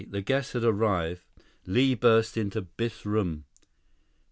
The guests had arrived. Li burst into Biff's room.